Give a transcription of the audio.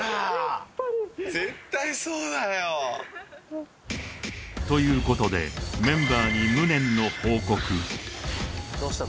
・やっぱり絶対そうだよということでメンバーに無念の報告どうした？